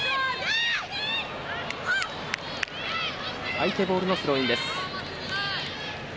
相手ボールのスローインです。